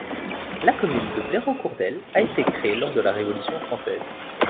La commune de Blérancourdelle a été créée lors de la Révolution française.